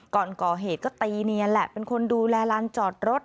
ก่อนก่อเหตุก็ตีเนียนแหละเป็นคนดูแลลานจอดรถ